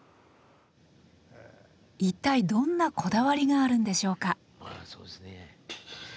一体どんなこだわりがあるんでしょうか？